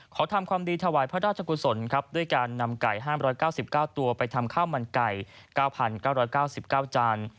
ขอทำความดีถวายพระราชกุศลครับด้วยการนำไก่๕๙๙ตัวไปทำข้าวมันไก่๙๙๙จาน